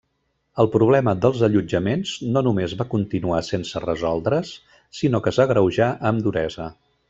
El problema dels allotjaments no només va continuar sense resoldre's sinó que s'agreujà amb duresa.